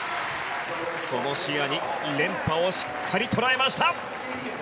その視野に２連覇をしっかり捉えました！